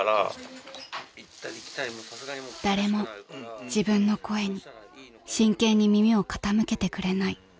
［誰も自分の声に真剣に耳を傾けてくれない］